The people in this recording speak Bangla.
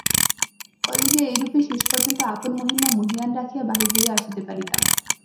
কলেজে এইরূপে শেষপর্যন্ত আপন মহিমা মহীয়ান রাখিয়া বাহির হইয়া আসিতে পারিতাম।